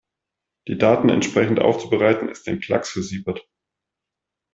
Die Daten entsprechend aufzubereiten, ist ein Klacks für Siebert.